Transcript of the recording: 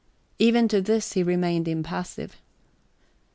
Even to this he remained impassive.